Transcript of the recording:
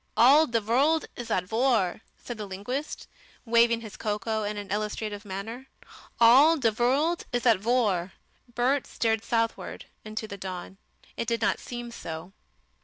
"All de vorlt is at vor!" said the linguist, waving his cocoa in an illustrative manner, "all de vorlt is at vor!" Bert stared southward into the dawn. It did not seem so.